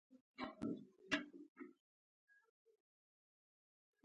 د قیصر ژوندلیک لوستلو پر مهال له ځینو خبرو سره مخ شوم.